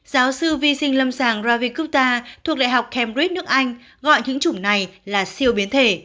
giáo sư vi sinh lâm sàng ravi gupta thuộc đại học cambridge nước anh gọi những chủng này là siêu biến thể